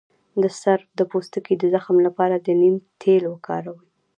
د سر د پوستکي د زخم لپاره د نیم تېل وکاروئ